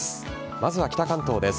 まずは北関東です。